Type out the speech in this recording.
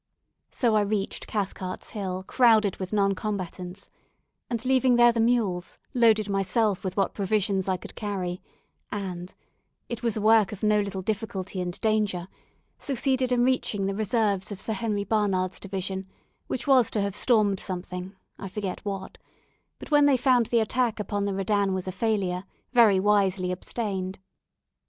So I reached Cathcart's Hill crowded with non combatants, and, leaving there the mules, loaded myself with what provisions I could carry, and it was a work of no little difficulty and danger succeeded in reaching the reserves of Sir Henry Barnard's division, which was to have stormed something, I forget what; but when they found the attack upon the Redan was a failure, very wisely abstained.